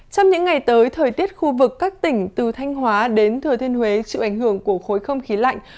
trong những ngày tới thời tiết khu vực các tỉnh từ thanh hóa đến thừa thiên huế chịu ảnh hưởng của khối không khí lạnh